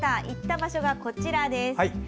行った場所が、こちらです。